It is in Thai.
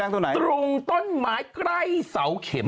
ตรงต้นไม้ใกล้เสาเข็ม